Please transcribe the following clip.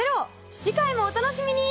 次回もお楽しみに！